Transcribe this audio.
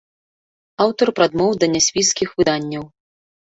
Аўтар прадмоў да нясвіжскіх выданняў.